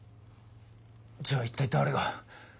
じゃあ一体誰が。